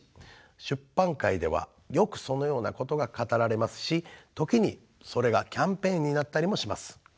出版界ではよくそのようなことが語られますし時にそれがキャンペーンになったりもします。